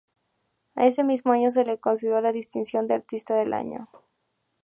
Ese mismo año se le concedió la distinción de Artista del Año.